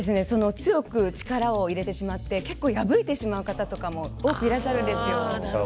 強く力を入れてしまって結構破れてしまう方も結構多くいらっしゃるんですよ。